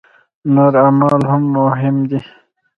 نور اعمال هم مهم دي.